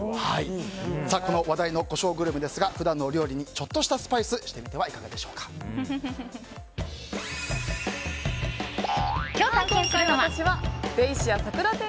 この話題のコショウグルメですが普段のお料理にちょっとしたスパイスしてみては今日、探検するのは。